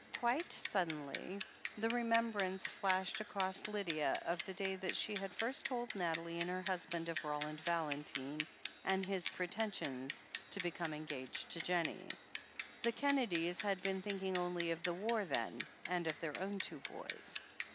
Quite suddenly, the remembrance flashed across Lydia of the day that she had first told Nathalie and her husband of Roland Valentine, and his pretensions THE HEEL OF ACHILLES 461 to become engaged to Jennie, The Kennedys had been thinking only of the war then, and of their own two boys.